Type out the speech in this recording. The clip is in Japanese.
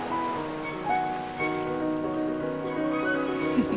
フフ。